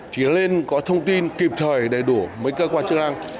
chỉ lên có thông tin kịp thời đầy đủ mấy cơ quan chức năng